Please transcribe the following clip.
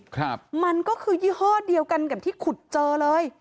ครับมันก็คือยี่ห้อเดียวกันกับที่ขุดเจอเลย